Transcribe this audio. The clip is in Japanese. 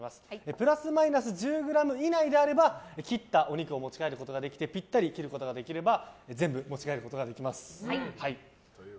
プラスマイナス１０ｇ以内であれば切ったお肉を持ち帰ることができてピッタリに切ることができれば全部持ち帰ることができます。